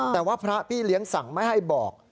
แต่ว่าพระพี่เลี้ยงสั่งไม่ให้บอก